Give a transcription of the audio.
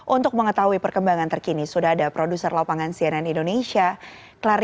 untuk mengetahui perkembangan terkini sudah ada produser lapangan cnn indonesia